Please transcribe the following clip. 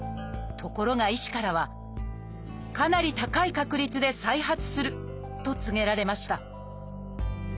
ところが医師からは「かなり高い確率で再発する」と告げられました。